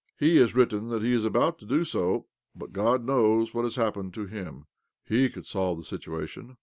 " He has written that he is about to do so, but God knows what has OBLOMOV 47 happened to him ! He could solve the situation."